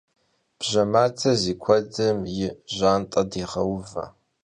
Bje mate zi kuedım yi jant'e dêğeuve.